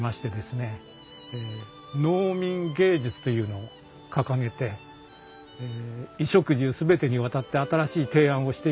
農民藝術というのを掲げて衣食住全てにわたって新しい提案をしていくわけです。